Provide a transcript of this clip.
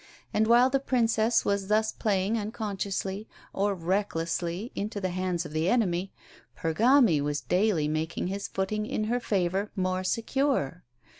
And while the Princess was thus playing unconsciously, or recklessly, into the hands of the enemy, Pergami was daily making his footing in her favour more secure.